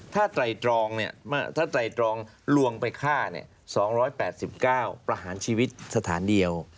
ถ้าไตรตรองถ้าไตรตรองลวงไปฆ่า๒๘๙ประหารชีวิตสถานเดียว